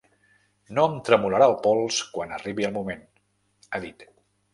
No em tremolarà el pols quan arribi el moment, ha dit.